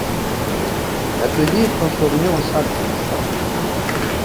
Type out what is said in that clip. L'Atelier est transformé en salle de festin.